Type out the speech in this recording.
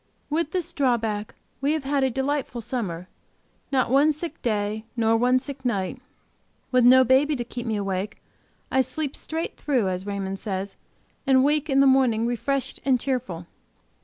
With this drawback, we have had a delightful summer; not one sick day; nor one sick night. With no baby to keep me awake, I sleep straight through, as Raymond says, and wake in the morning refreshed and cheerful.